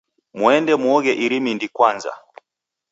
Muende muoghe iri Mindi kwanza.